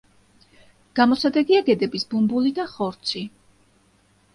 გამოსადეგია გედების ბუმბული და ხორცი.